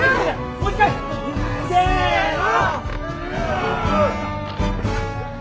もう一回！せの！